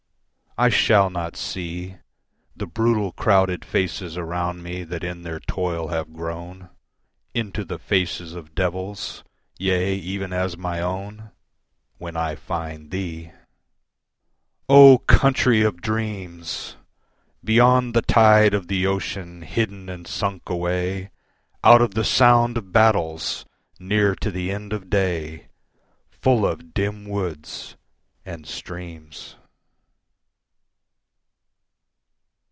I shall not see The brutal, crowded faces around me, that in their toil have grown Into the faces of devils yea, even as my own When I find thee, O Country of Dreams! Beyond the tide of the ocean, hidden and sunk away, Out of the sound of battles, near to the end of day, Full of dim woods and streams.